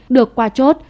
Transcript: được qua chốt